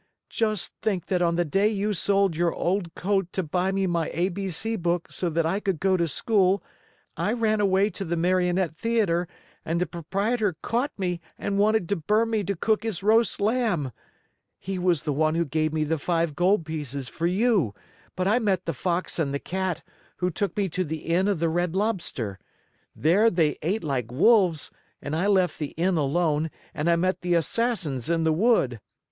Just think that on the day you sold your old coat to buy me my A B C book so that I could go to school, I ran away to the Marionette Theater and the proprietor caught me and wanted to burn me to cook his roast lamb! He was the one who gave me the five gold pieces for you, but I met the Fox and the Cat, who took me to the Inn of the Red Lobster. There they ate like wolves and I left the Inn alone and I met the Assassins in the wood.